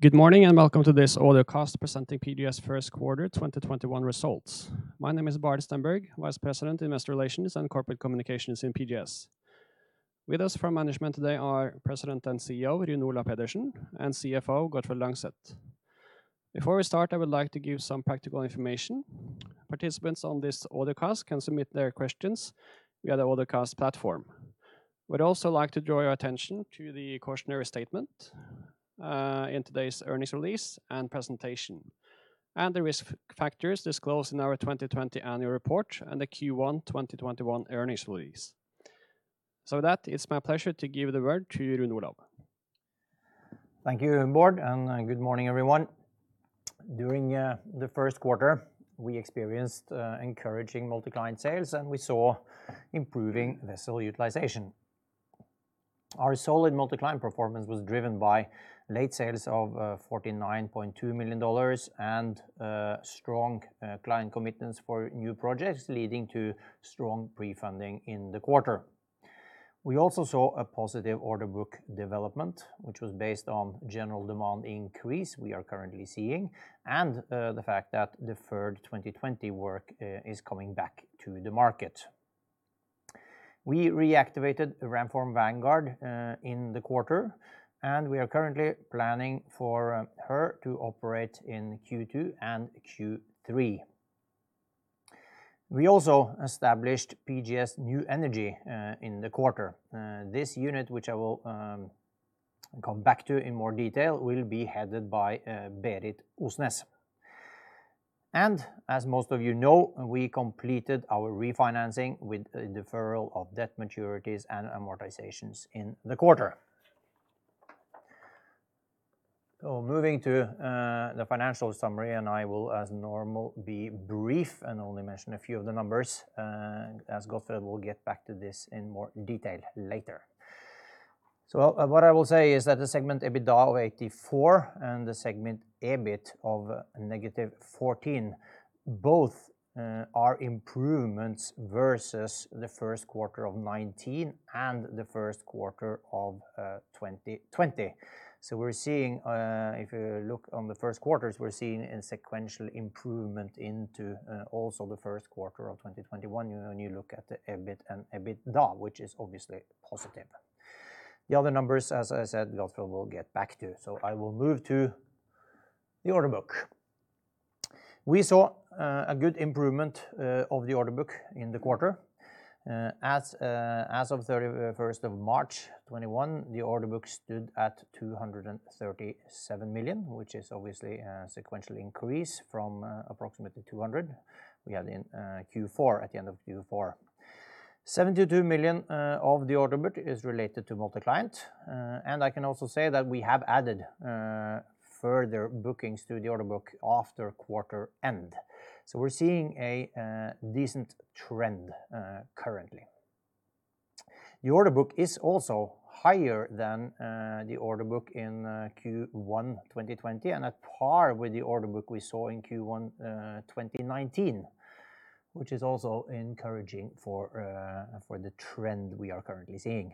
Good morning, and welcome to this audio cast presenting PGS's First Quarter 2021 Results. My name is Bård Stenberg, Vice President, Investor Relations and Corporate Communication in PGS. With us from management today are President and CEO, Rune Olav Pedersen, and CFO, Gottfred Langseth. Before we start, I would like to give some practical information. Participants on this audio cast can submit their questions via the audio cast platform. We'd also like to draw your attention to the cautionary statement in today's earnings release and presentation, and the risk factors disclosed in our 2020 Annual Report and the Q1 2021 Earnings Release. With that, it's my pleasure to give the word to Rune Olav. Thank you, Bård, and good morning, everyone. During the first quarter, we experienced encouraging MultiClient sales, and we saw improving vessel utilization. Our solid MultiClient performance was driven by late sales of $49.2 million and strong client commitments for new projects, leading to strong pre-funding in the quarter. We also saw a positive order book development, which was based on general demand increase we are currently seeing and the fact that deferred 2020 work is coming back to the market. We reactivated the Ramform Vanguard in the quarter, and we are currently planning for her to operate in Q2 and Q3. We also established PGS New Energy in the quarter. This unit, which I will come back to in more detail, will be headed by Berit Osnes. As most of you know, we completed our refinancing with a deferral of debt maturities and amortizations in the quarter. Moving to the financial summary, and I will, as normal, be brief and only mention a few of the numbers, as Gottfred will get back to this in more detail later. What I will say is that the segment EBITDA of $84 and the segment EBIT of -$14 both are improvements versus the first quarter of 2019 and the first quarter of 2020. If you look on the first quarters, we're seeing a sequential improvement into also the first quarter of 2021 when you look at the EBIT and EBITDA, which is obviously positive. The other numbers, as I said, Gottfred will get back to, so I will move to the order book. We saw a good improvement of the order book in the quarter. As of 31st of March 2021, the order book stood at $237 million, which is obviously a sequential increase from approximately $200 million we had at the end of Q4. $72 million of the order book is related to MultiClient, and I can also say that we have added further bookings to the order book after quarter-end. We're seeing a decent trend currently. The order book is also higher than the order book in Q1 2020 and at par with the order book we saw in Q1 2019, which is also encouraging for the trend we are currently seeing.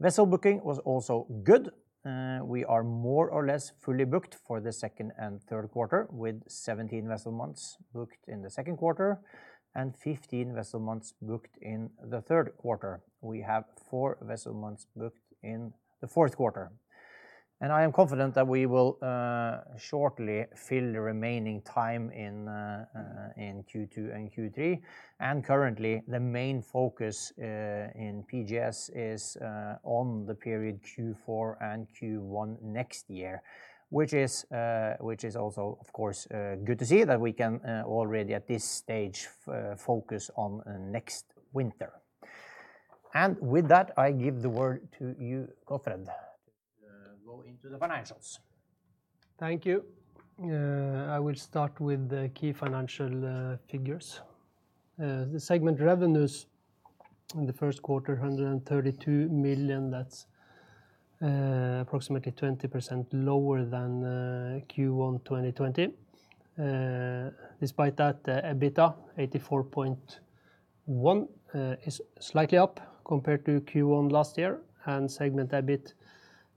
Vessel booking was also good. We are more or less fully booked for the second and third quarter, with 17 vessel months booked in the second quarter and 15 vessel months booked in the third quarter. We have four vessel months booked in the fourth quarter, and I am confident that we will shortly fill the remaining time in Q2 and Q3. Currently, the main focus in PGS is on the period Q4 and Q1 next year, which is also, of course, good to see that we can already at this stage focus on next winter. With that, I give the word to you, Gottfred, to go into the financials. Thank you. I will start with the key financial figures. The segment revenues in the first quarter, $132 million. That's approximately 20% lower than Q1 2020. Despite that, EBITDA $84.1 million is slightly up compared to Q1 last year. Segment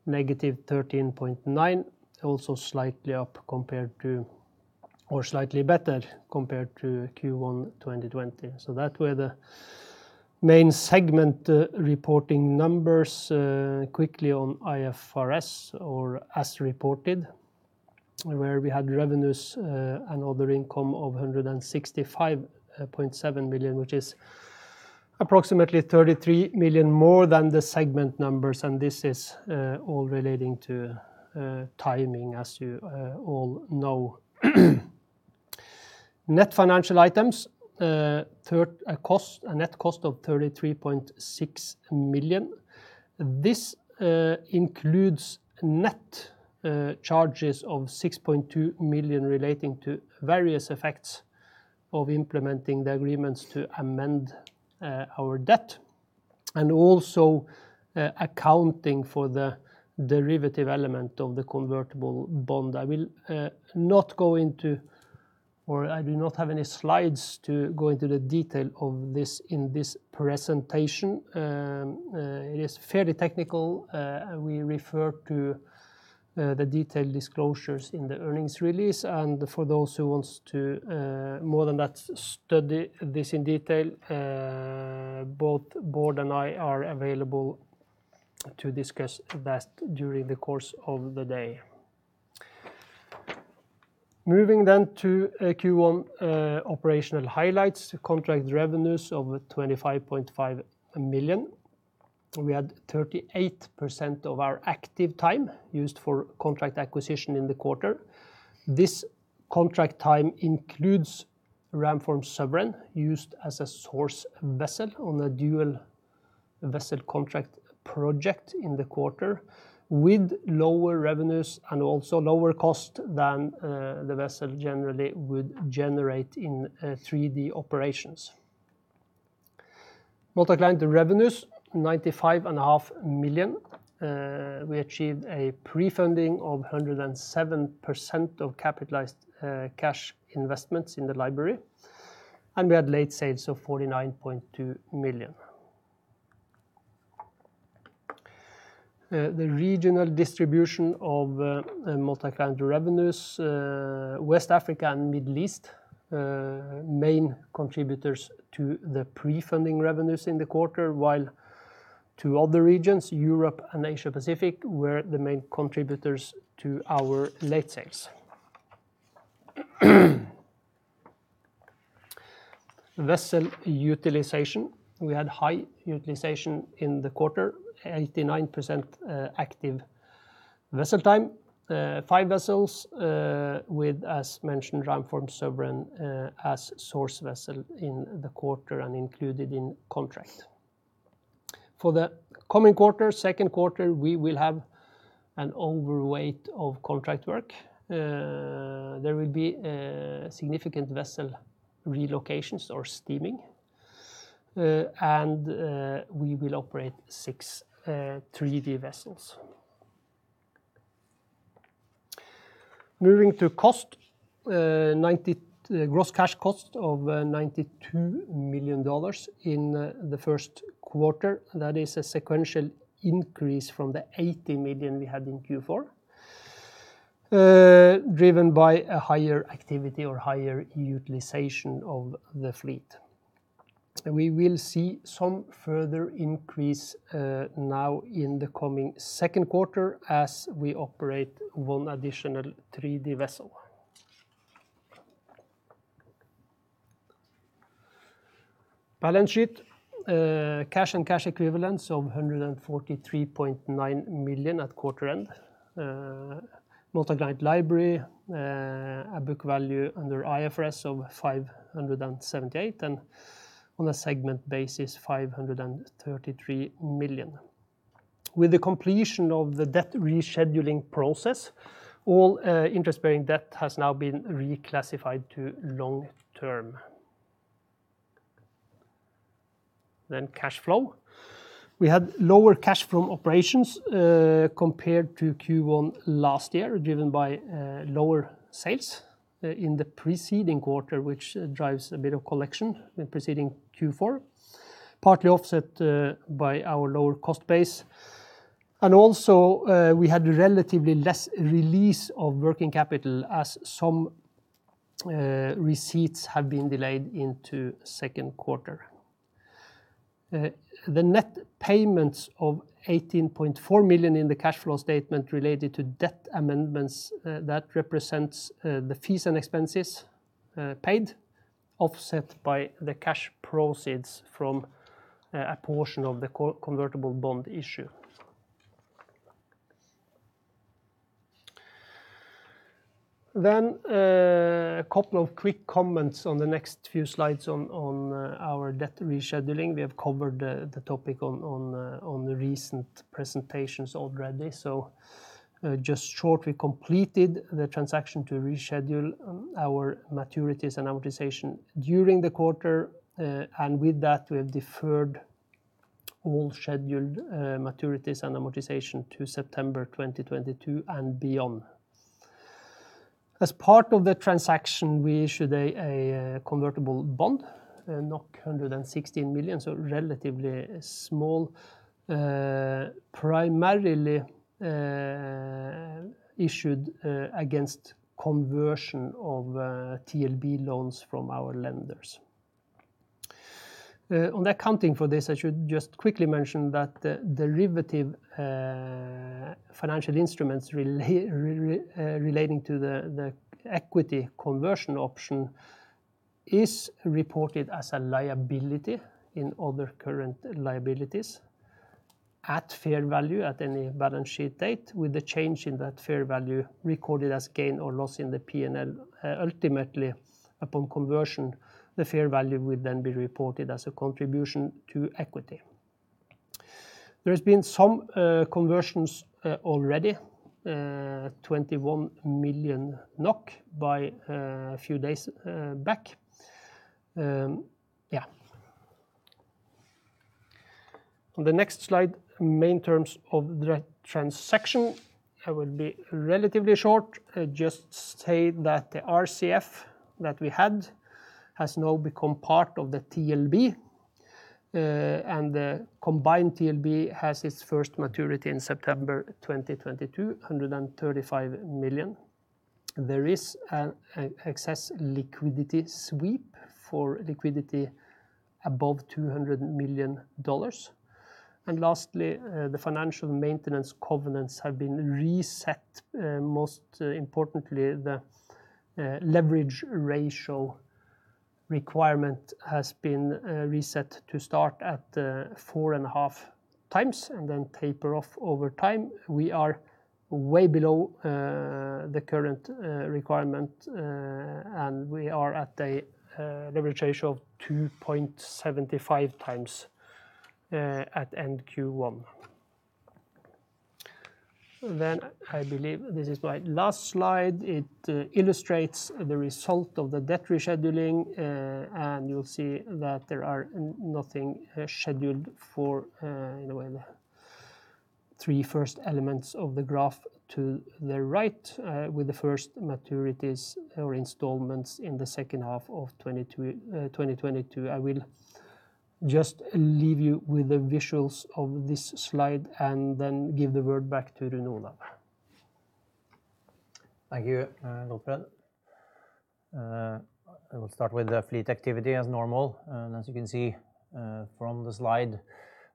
EBIT -$13.9 million, also slightly better compared to Q1 2020. That were the main segment reporting numbers. Quickly on IFRS or as reported, where we had revenues and other income of $165.7 million, which is approximately $33 million more than the segment numbers. This is all relating to timing, as you all know. Net financial items, a net cost of $33.6 million. This includes net charges of $6.2 million relating to various effects of implementing the agreements to amend our debt and also accounting for the derivative element of the convertible bond. I will not go into I do not have any slides to go into the detail of this in this presentation. It is fairly technical. We refer to the detailed disclosures in the earnings release, and for those who want to more than that study this in detail, both Bård and I are available to discuss that during the course of the day. Moving to Q1 operational highlights. Contract revenues of $25.5 million. We had 38% of our active time used for contract acquisition in the quarter. This contract time includes Ramform Sovereign, used as a source vessel on a dual vessel contract project in the quarter, with lower revenues and also lower cost than the vessel generally would generate in 3D operations. MultiClient revenues, $95.5 million. We achieved a pre-funding of 107% of capitalized cash investments in the library, and we had late sales of $49.2 million. The regional distribution of MultiClient revenues, West Africa and Middle East, main contributors to the pre-funding revenues in the quarter, while two other regions, Europe and Asia Pacific, were the main contributors to our late sales. Vessel utilization. We had high utilization in the quarter, 89% active vessel time. Five vessels with, as mentioned, Ramform Sovereign as source vessel in the quarter and included in contract. For the coming quarter, second quarter, we will have an overweight of contract work. There will be significant vessel relocations or steaming, and we will operate six 3D vessels. Moving to cost, gross cash cost of $92 million in the first quarter. That is a sequential increase from the $80 million we had in Q4, driven by a higher activity or higher utilization of the fleet. We will see some further increase now in the coming second quarter as we operate one additional 3D vessel. Balance sheet. Cash and cash equivalents of $143.9 million at quarter end. MultiClient library, a book value under IFRS of $578, and on a segment basis, $533 million. With the completion of the debt rescheduling process, all interest-bearing debt has now been reclassified to long-term. Cash flow. We had lower cash from operations compared to Q1 last year, driven by lower sales in the preceding quarter, which drives a bit of collection in preceding Q4, partly offset by our lower cost base. Also, we had relatively less release of working capital as some receipts have been delayed into second quarter. The net payments of $18.4 million in the cash flow statement related to debt amendments, that represents the fees and expenses paid, offset by the cash proceeds from a portion of the convertible bond issue. A couple of quick comments on the next few slides on our debt rescheduling. We have covered the topic on the recent presentations already. Just short, we completed the transaction to reschedule our maturities and amortization during the quarter. With that, we have deferred all scheduled maturities and amortization to September 2022 and beyond. As part of the transaction, we issued a convertible bond, 116 million, so relatively small, primarily issued against conversion of TLB loans from our lenders. On accounting for this, I should just quickly mention that derivative financial instruments relating to the equity conversion option is reported as a liability in other current liabilities at fair value at any balance sheet date, with the change in that fair value recorded as gain or loss in the P&L. Ultimately, upon conversion, the fair value will then be reported as a contribution to equity. There has been some conversions already, 21 million NOK by a few days back. On the next slide, main terms of the transaction. I will be relatively short. I just say that the RCF that we had has now become part of the TLB. The combined TLB has its first maturity in September 2022, $135 million. There is an excess liquidity sweep for liquidity above $200 million. Lastly, the financial maintenance covenants have been reset. Most importantly, the leverage ratio requirement has been reset to start at 4.5x and then taper off over time. We are way below the current requirement, and we are at a leverage ratio of 2.75x at end Q1. I believe this is my last slide. It illustrates the result of the debt rescheduling, and you will see that there are nothing scheduled for the three first elements of the graph to the right with the first maturities or installments in the second half of 2022. I will just leave you with the visuals of this slide and then give the word back to Rune Olav. Thank you, Gottfred. I will start with the fleet activity as normal. As you can see from the slide,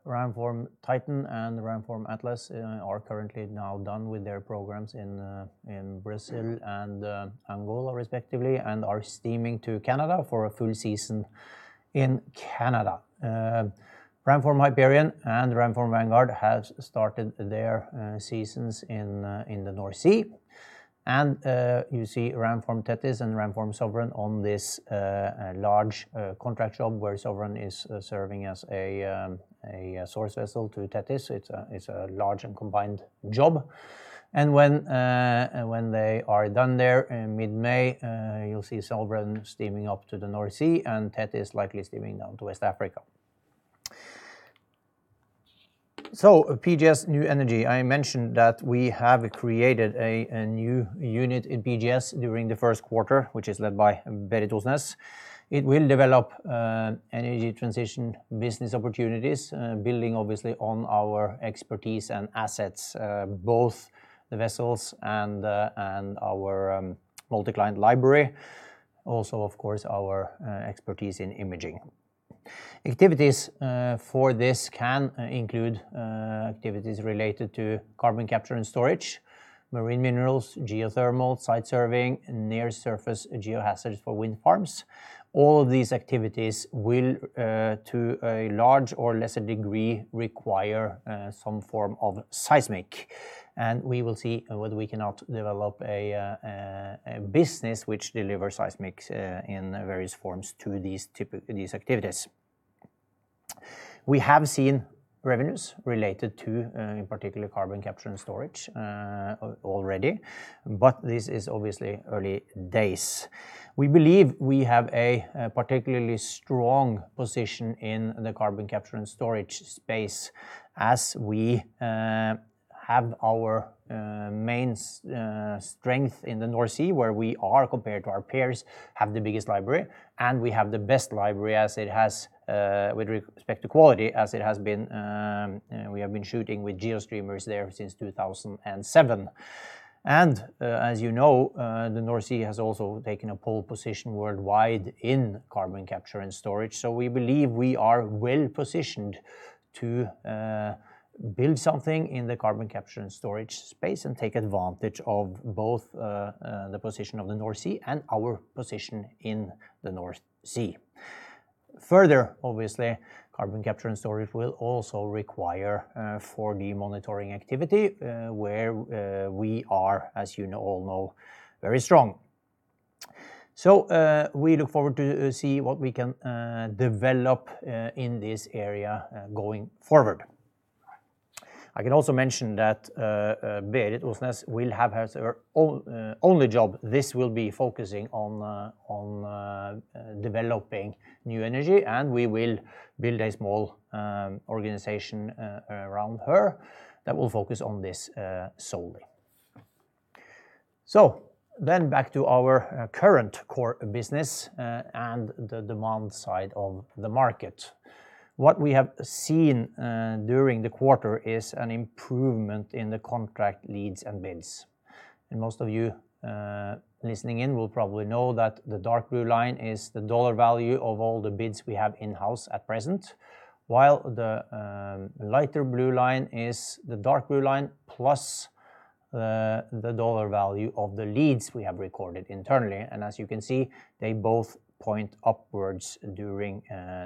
Ramform Titan and Ramform Atlas are currently now done with their programs in Brazil and Angola, respectively and are steaming to Canada for a full season in Canada. Ramform Hyperion and Ramform Vanguard have started their seasons in the North Sea. You see Ramform Tethys and Ramform Sovereign on this large contract job where Sovereign is serving as a source vessel to Tethys. It's a large and combined job. When they are done there in mid-May, you will see Sovereign steaming up to the North Sea and Tethys likely steaming down to West Africa. PGS New Energy, I mentioned that we have created a new unit in PGS during the first quarter, which is led by Berit Osnes. It will develop energy transition business opportunities, building obviously on our expertise and assets both the vessels and our MultiClient library. Also, of course, our expertise in imaging. Activities for this can include activities related to carbon capture and storage, marine minerals, geothermal, site surveying, near surface geo-hazards for wind farms. All these activities will, to a large or lesser degree, require some form of seismic. We will see whether we can develop a business which delivers seismic in various forms to these activities. We have seen revenues related to, in particular, carbon capture and storage already, but this is obviously early days. We believe we have a particularly strong position in the carbon capture and storage space as we have our main strength in the North Sea, where we are, compared to our peers, have the biggest library, and we have the best library with respect to quality, as we have been shooting with GeoStreamer there since 2007. As you know, the North Sea has also taken a pole position worldwide in carbon capture and storage. We believe we are well-positioned to build something in the carbon capture and storage space and take advantage of both the position of the North Sea and our position in the North Sea. Further, obviously, carbon capture and storage will also require 4D monitoring activity, where we are, as you all know, very strong. We look forward to see what we can develop in this area going forward. I can also mention that Berit Osnes will have as her only job, this will be focusing on developing new energy, and we will build a small organization around her that will focus on this solely. Back to our current core business and the demand side of the market. What we have seen during the quarter is an improvement in the contract leads and bids. Most of you listening in will probably know that the dark blue line is the dollar value of all the bids we have in-house at present, while the lighter blue line is the dark blue line plus the dollar value of the leads we have recorded internally. As you can see, they both point upwards during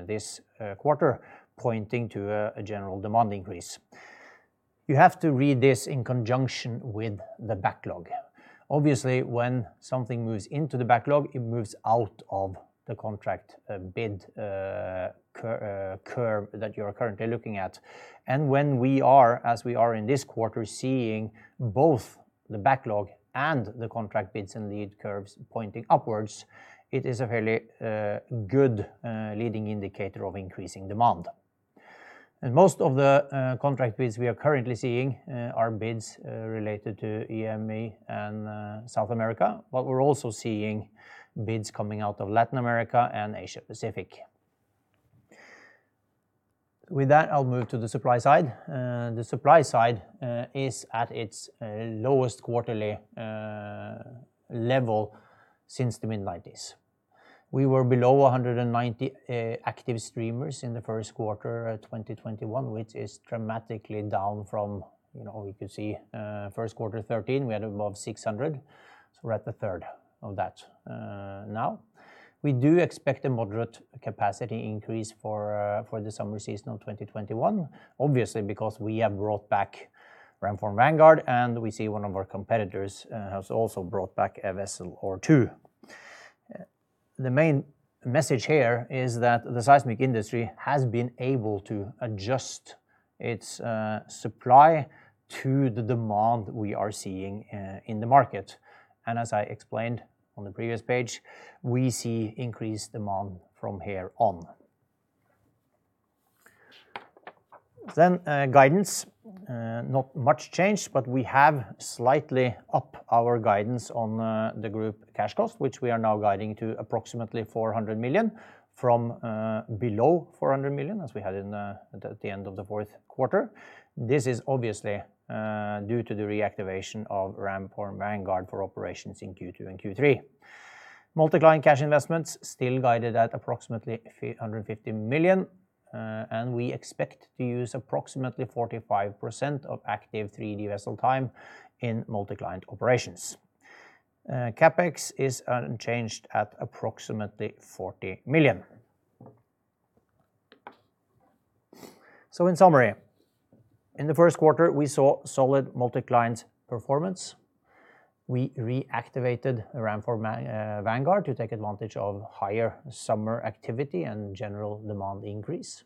this quarter, pointing to a general demand increase. You have to read this in conjunction with the backlog. Obviously, when something moves into the backlog, it moves out of the contract bid curve that you are currently looking at. When we are, as we are in this quarter, seeing both the backlog and the contract bids and lead curves pointing upwards, it is a fairly good leading indicator of increasing demand. Most of the contract bids we are currently seeing are bids related to EMEA and South America. We're also seeing bids coming out of Latin America and Asia Pacific. With that, I'll move to the supply side. The supply side is at its lowest quarterly level since the mid-'90s. We were below 190 active streamers in the first quarter of 2021, which is dramatically down from, we could see first quarter 2013, we had above 600. We're at a third of that now. We do expect a moderate capacity increase for the summer season of 2021. Obviously, because we have brought back Ramform Vanguard, and we see one of our competitors has also brought back a vessel or two. The main message here is that the seismic industry has been able to adjust its supply to the demand we are seeing in the market. As I explained on the previous page, we see increased demand from here on. Guidance. Not much change, but we have slightly up our guidance on the group cash cost, which we are now guiding to approximately $400 million from below $400 million, as we had at the end of the fourth quarter. This is obviously due to the reactivation of Ramform Vanguard for operations in Q2 and Q3. MultiClient cash investments still guided at approximately $350 million. We expect to use approximately 45% of active 3D vessel time in MultiClient operations. CapEx is unchanged at approximately $40 million. In summary, in the first quarter, we saw solid MultiClient performance. We reactivated Ramform Vanguard to take advantage of higher summer activity and general demand increase.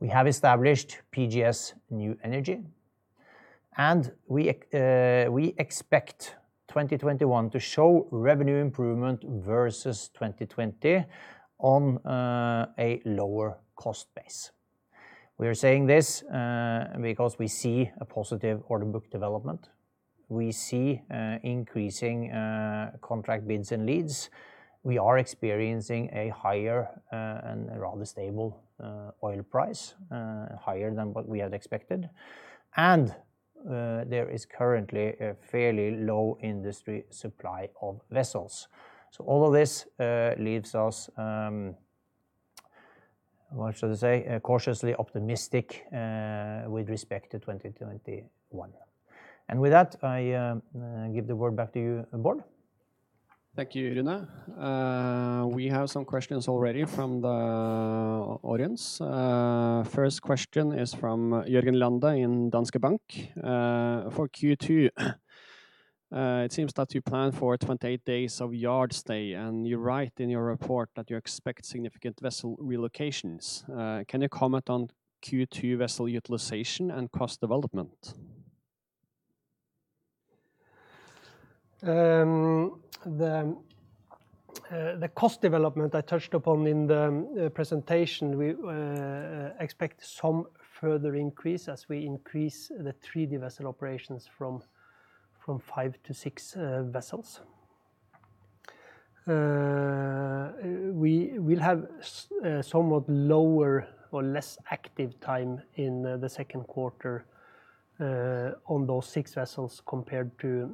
We have established PGS New Energy. We expect 2021 to show revenue improvement versus 2020 on a lower cost base. We are saying this because we see a positive order book development. We see increasing contract bids and leads. We are experiencing a higher and rather stable oil price, higher than what we had expected. There is currently a fairly low industry supply of vessels. All of this leaves us, what should I say, cautiously optimistic with respect to 2021. With that, I give the word back to you, Bård. Thank you, Rune. We have some questions already from the audience. First question is from Jørgen Lande in Danske Bank. For Q2, it seems that you plan for 28 days of yard stay, and you write in your report that you expect significant vessel relocations. Can you comment on Q2 vessel utilization and cost development? The cost development I touched upon in the presentation, we expect some further increase as we increase the 3D vessel operations from five to six vessels. We will have somewhat lower or less active time in the second quarter on those six vessels compared to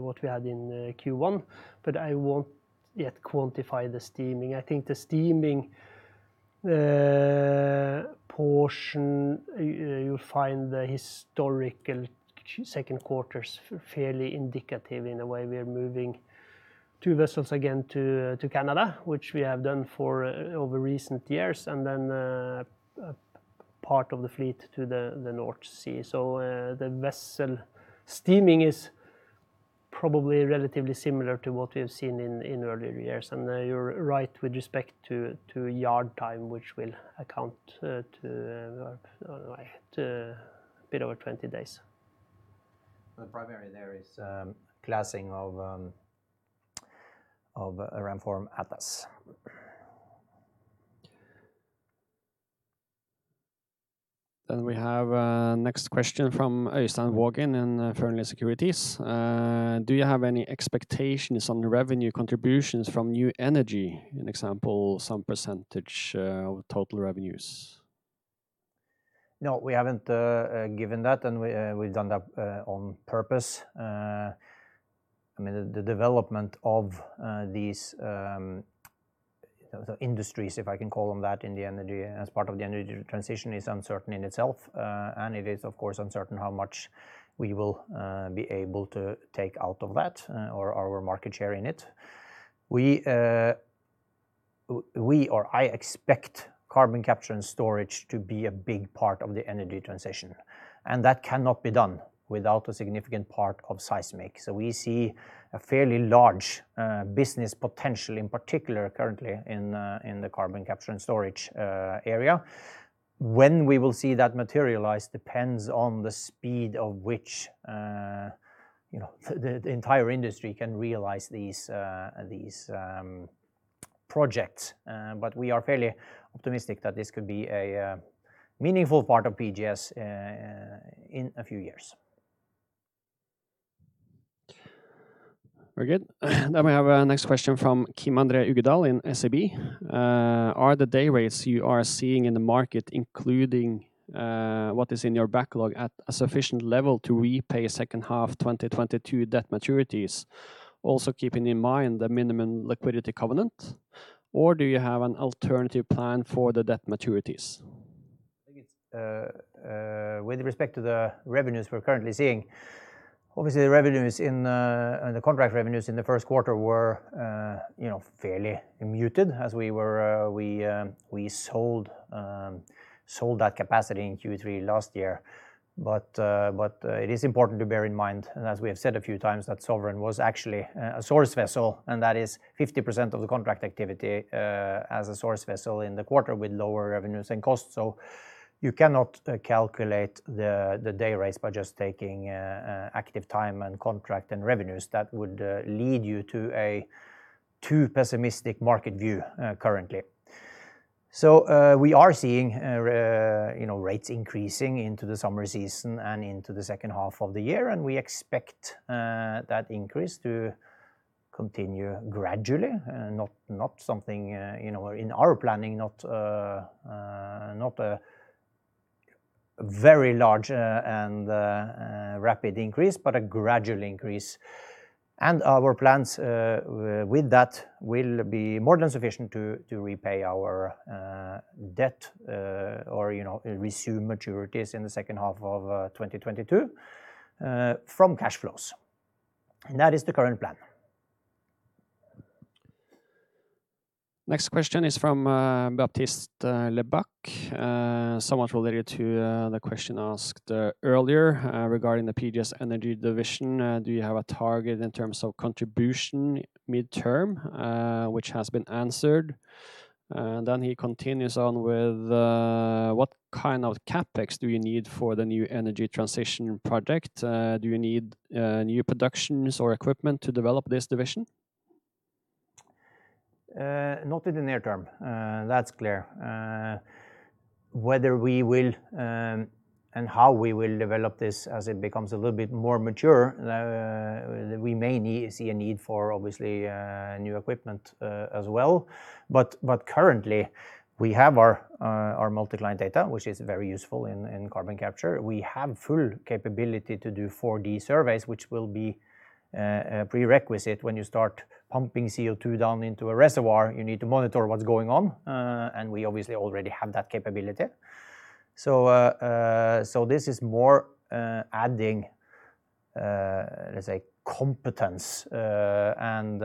what we had in Q1, but I won't yet quantify the steaming. I think the steaming portion, you'll find the historical second quarters fairly indicative in the way we are moving two vessels again to Canada, which we have done over recent years, and then part of the fleet to the North Sea. The vessel steaming is probably relatively similar to what we have seen in earlier years. You're right with respect to yard time, which will account to a bit over 20 days. Primarily there is classing of Ramform Atlas. We have next question from Øystein Vaagen in Fearnley Securities. Do you have any expectations on revenue contributions from New Energy? In example, some percentage of total revenues? We haven't given that. We've done that on purpose. The development of these industries, if I can call them that, as part of the energy transition, is uncertain in itself. It is, of course, uncertain how much we will be able to take out of that or our market share in it. We or I expect carbon capture and storage to be a big part of the energy transition, and that cannot be done without a significant part of seismic. We see a fairly large business potential, in particular currently in the carbon capture and storage area. When we will see that materialize depends on the speed the entire industry can realize these projects. We are fairly optimistic that this could be a meaningful part of PGS in a few years. We have our next question from Kim André Ugledal in SEB. Are the day rates you are seeing in the market including what is in your backlog at a sufficient level to repay second-half 2022 debt maturities, also keeping in mind the minimum liquidity covenant, or do you have an alternative plan for the debt maturities? I think it's with respect to the revenues we're currently seeing. Obviously, the contract revenues in the first quarter were fairly muted as we sold that capacity in Q3 last year. It is important to bear in mind, and as we have said a few times, that Sovereign was actually a source vessel, and that is 50% of the contract activity as a source vessel in the quarter with lower revenues and costs. You cannot calculate the day rates by just taking active time and contract and revenues. That would lead you to a too pessimistic market view currently. We are seeing rates increasing into the summer season and into the second half of the year, and we expect that increase to continue gradually. In our planning, not a very large and rapid increase, but a gradual increase. Our plans with that will be more than sufficient to repay our debt or resume maturities in the second half of 2022 from cash flows. That is the current plan. Next question is from Baptiste Lebacq. Somewhat related to the question asked earlier regarding the PGS New Energy division. Do you have a target in terms of contribution midterm? Which has been answered. He continues on with, what kind of CapEx do you need for the new energy transition project? Do you need new productions or equipment to develop this division? Not in the near term. That's clear. Whether we will and how we will develop this as it becomes a little bit more mature, we may see a need for, obviously, new equipment as well. Currently, we have our MultiClient data, which is very useful in carbon capture. We have full capability to do 4D surveys, which will be a prerequisite when you start pumping CO2 down into a reservoir, you need to monitor what's going on. We obviously already have that capability. This is more adding, let's say, competence, and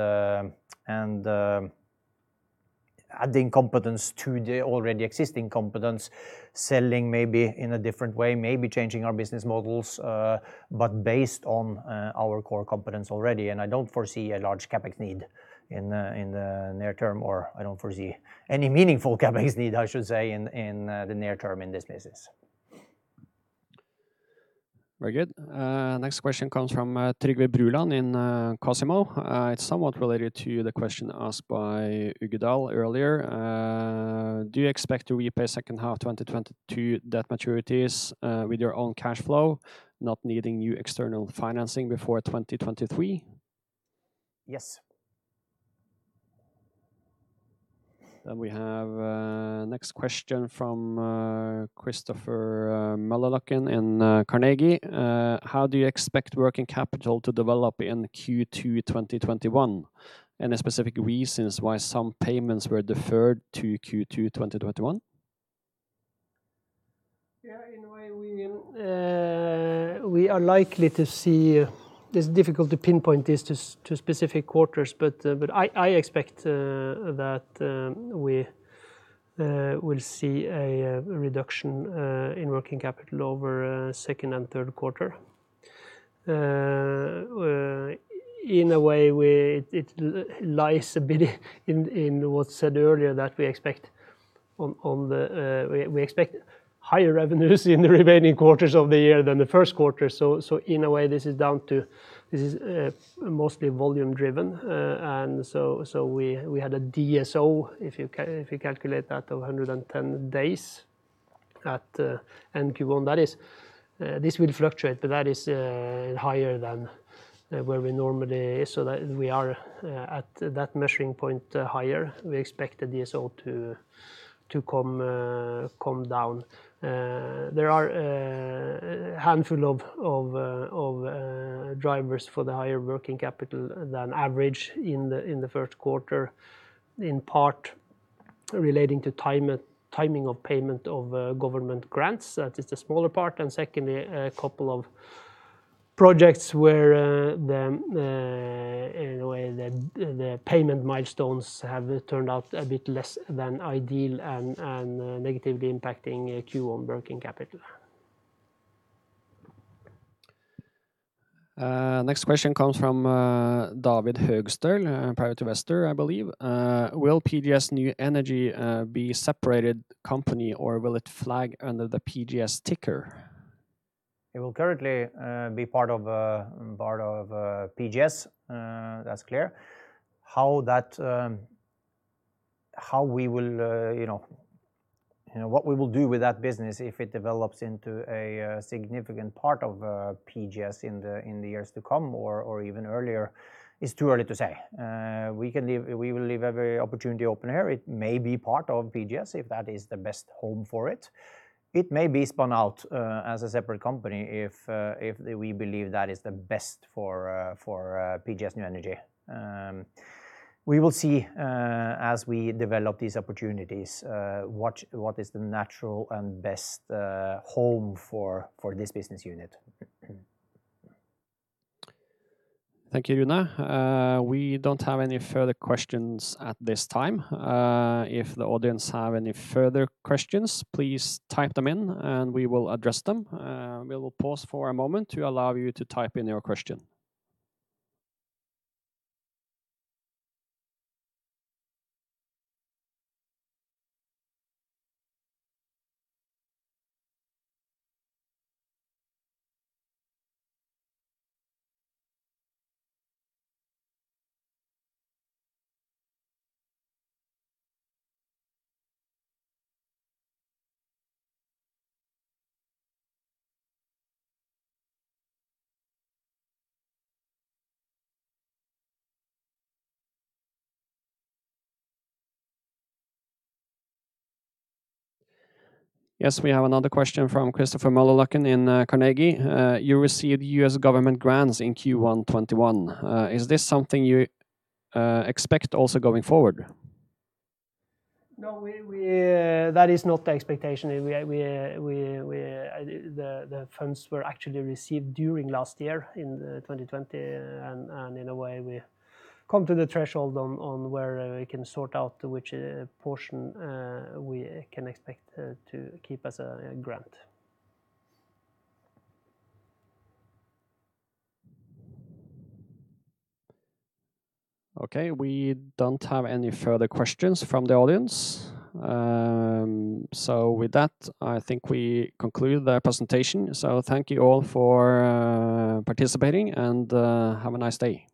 adding competence to the already existing competence, selling maybe in a different way, maybe changing our business models, but based on our core competence already. I don't foresee a large CapEx need in the near term, or I don't foresee any meaningful CapEx need, I should say, in the near term in this business. Very good. Next question comes from Trygve Brueland in Cosmo. It is somewhat related to the question asked by Ugledal earlier. Do you expect to repay second half 2022 debt maturities with your own cash flow, not needing new external financing before 2023? Yes. We have next question from Christopher Møllerløkken in Carnegie. How do you expect working capital to develop in Q2 2021? Any specific reasons why some payments were deferred to Q2 2021? Yeah, in a way, we are likely to see It's difficult to pinpoint this to specific quarters, but I expect that we will see a reduction in working capital over second and third quarter. In a way, it lies a bit in what's said earlier that we expect higher revenues in the remaining quarters of the year than the first quarter. In a way, this is mostly volume-driven. We had a DSO, if you calculate that, of 110 days at Q1. This will fluctuate, but that is higher than where we normally is, so that we are at that measuring point higher. We expect the DSO to come down. There are a handful of drivers for the higher working capital than average in the first quarter, in part relating to timing of payment of government grants. That is the smaller part. Secondly, a couple of projects where the payment milestones have turned out a bit less than ideal and negatively impacting Q1 working capital. Next question comes from David Høgstøl, private investor, I believe. Will PGS New Energy be separated company or will it flag under the PGS ticker? It will currently be part of PGS. That is clear. What we will do with that business if it develops into a significant part of PGS in the years to come or even earlier, is too early to say. We will leave every opportunity open here. It may be part of PGS if that is the best home for it. It may be spun out as a separate company if we believe that is the best for PGS New Energy. We will see as we develop these opportunities, what is the natural and best home for this business unit. Thank you, Rune. We don't have any further questions at this time. If the audience have any further questions, please type them in and we will address them. We will pause for a moment to allow you to type in your question. Yes, we have another question from Christopher Malachin in Carnegie. You received U.S. government grants in Q1 2021. Is this something you expect also going forward? No, that is not the expectation. The funds were actually received during last year in 2020, and in a way, we come to the threshold on where we can sort out which portion we can expect to keep as a grant. Okay. We don't have any further questions from the audience. With that, I think we conclude the presentation. Thank you all for participating, and have a nice day.